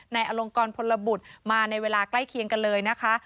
อลงกรพลบุตรมาในเวลาใกล้เคียงกันเลยนะคะ